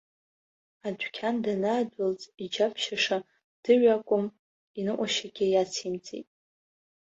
Адәқьан данаадәылҵ, иџьабшьаша, дыҩ акәым, иныҟәашьагьы иацимҵеит.